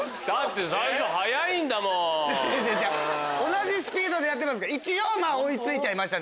同じスピードでやってますから一応追い付きました